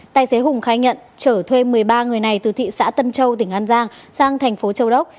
tài xế hùng khai nhận trở thuê một mươi ba người này từ thị xã tân châu tỉnh an giang sang thành phố châu đốc